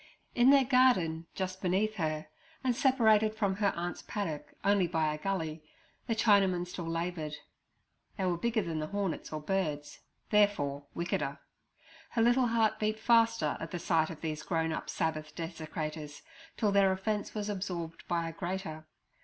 In their garden just beneath her, and separated from her aunt's paddock only by a gully, the Chinamen still laboured. They were bigger than the hornets or birds, therefore wickeder. Her little heart beat faster at the sight of these grown up Sabbath desecrators, till their offence was absorbed by a greater.